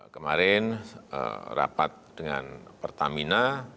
kemarin rapat dengan pertamina